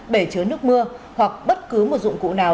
bể chứa nước mưa hoặc bất cứ một dụng cụ nào